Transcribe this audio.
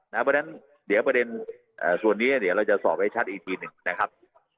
เพราะฉะนั้นเดี๋ยวประเด็นส่วนนี้เดี๋ยวเราจะสอบให้ชัดอีกทีหนึ่งนะครับ